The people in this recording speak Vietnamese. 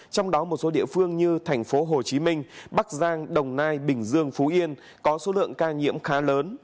trong đó một số địa phương như thành phố hồ chí minh bắc giang đồng nai bình dương phú yên có số lượng ca nhiễm khá lớn